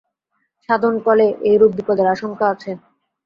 সাধনকলে এইরূপ বিপদের আশঙ্কা আছে।